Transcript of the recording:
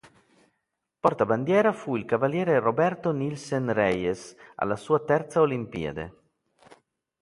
Portabandiera fu il cavaliere Roberto Nielsen-Reyes, alla sua terza Olimpiade.